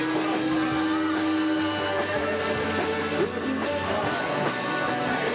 โดยไม่มีคืนความแค่ไหน